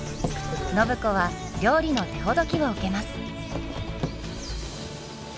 暢子は料理の手ほどきを受けます。